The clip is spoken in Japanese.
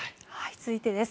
続いてです。